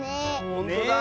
ほんとだ！